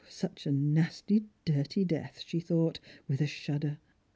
Such a nasty dirty death !" she thought, with a shudder.